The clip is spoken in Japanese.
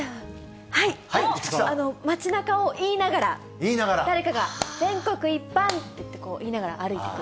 はい、町なかを言いながら、誰かが、全国一般って言いながら歩いてく。